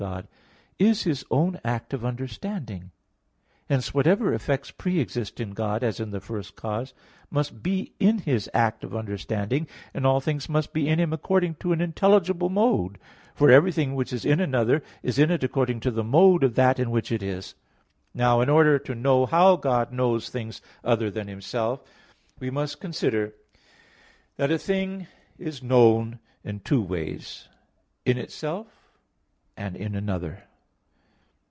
God is His own act of understanding. Hence whatever effects pre exist in God, as in the first cause, must be in His act of understanding, and all things must be in Him according to an intelligible mode: for everything which is in another, is in it according to the mode of that in which it is. Now in order to know how God knows things other than Himself, we must consider that a thing is known in two ways: in itself, and in another.